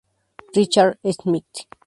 Richard Schmidt.